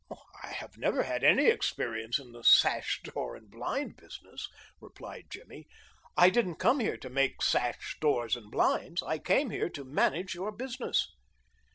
"I have never had any experience in the sash, door and blind business," replied Jimmy. "I didn't come here to make sash, doors and blinds. I came here to manage your business."